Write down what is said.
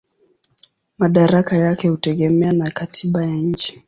Madaraka yake hutegemea na katiba ya nchi.